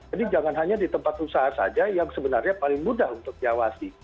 jadi jangan hanya di tempat usaha saja yang sebenarnya paling mudah untuk diawasi